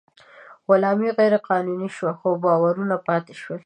غلامي غیر قانوني شوه، خو باورونه پاتې شول.